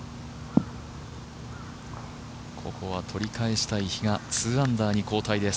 ここは取り返したい比嘉２アンダーに後退です。